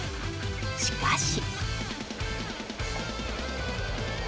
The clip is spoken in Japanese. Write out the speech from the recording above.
しかし。